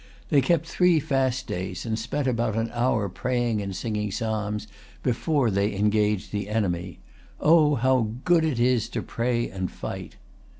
They kept three fast days, and spent about an hour praying and singing psalms before they engaged the enemy. Oh, how good it is to pray and fight!"